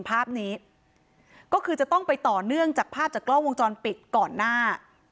ภาพนี้ก็คือจะต้องไปต่อเนื่องจากภาพจากกล้องวงจรปิดก่อนหน้า